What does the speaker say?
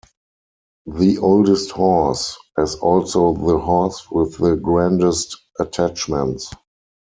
The oldest horse as also the horse with the grandest attachments.